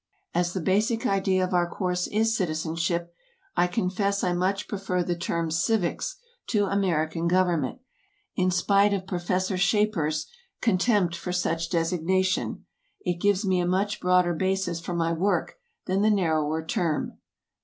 As the basic idea of our course is citizenship, I confess I much prefer the term "Civics" to "American Government," in spite of Professor Schaper's contempt for such designation. It gives me a much broader basis for my work than the narrower term.